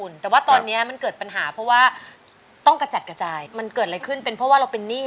นั่นเป็นเพลงของป่าเอกชัยนะครับ